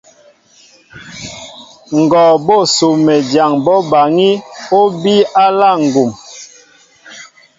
Ngɔ ni Sumedyaŋ bɔ́ baŋí , ó bíy á aláá ŋgum.